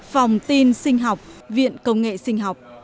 phòng tin sinh học viện công nghệ sinh học